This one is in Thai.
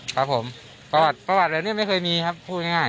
ครับผมประวัติแบบนี้ไม่เคยมีครับพูดง่าย